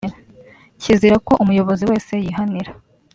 kizira ko umuyobozi wese yihanira